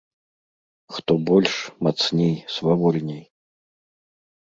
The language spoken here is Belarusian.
Хто больш, мацней, свавольней!